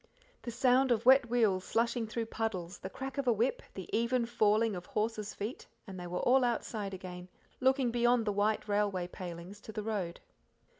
The sound of wet wheels slushing through puddles, the crack of a whip, the even falling of horses' feet, and they were all outside again, looking beyond the white railway palings to the road.